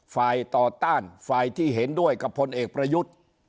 ฝ่ายต่อต้านฝ่ายที่เห็นด้วยกับพลเอกประยุทธ์